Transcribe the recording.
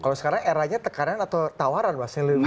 kalau sekarang eranya tekanan atau tawaran mas